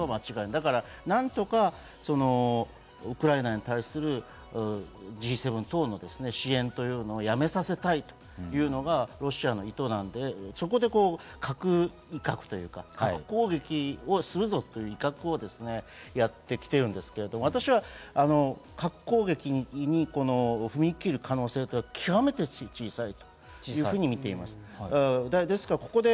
だから何とかウクライナに対するＧ７等の支援というのをやめさせたいというのがロシアの意図なので、そこで核威嚇という核攻撃をするぞという威嚇をやってきているんですけれども、私は核攻撃に踏み切る可能性は極めて小さいというふうに見ています。